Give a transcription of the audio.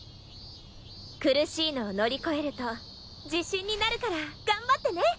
苦しいのを乗り越えると自信になるから頑張ってね。